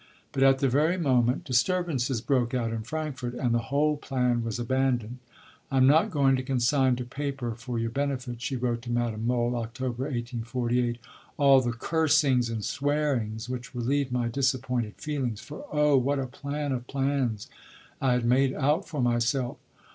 But at the very moment disturbances broke out in Frankfurt, and the whole plan was abandoned. "I am not going to consign to paper for your benefit," she wrote to Madame Mohl (October 1848), "all the cursings and swearings which relieved my disappointed feelings; for oh! what a plan of plans I had made out for myself!